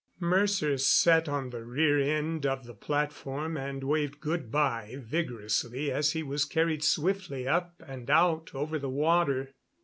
Mercer sat on the rear end of the platform and waved good by vigorously as he was carried swiftly up and out over the water.